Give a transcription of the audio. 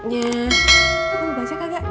iya sebentar lagi kok